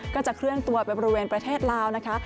ก็จะเคลื่อนตัวไปบริเวณประเทศลาวนะคะ